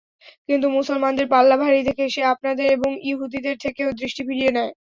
কিন্তু মুসলমানদের পাল্লা ভারী দেখে সে আপনাদের এবং ইহুদীদের থেকেও দৃষ্টি ফিরিয়ে নেয়।